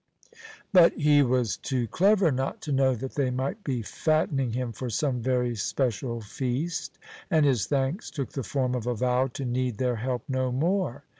But he was too clever not to know that they might be fattening him for some very special feast, and his thanks took the form of a vow to need their help no more.